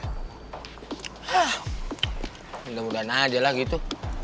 hah mudah mudahan aja lah gitu